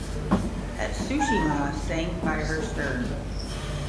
"Hatsushima" sank by her stern.